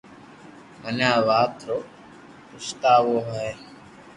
مني آ وات رو پچتاوہ ھيي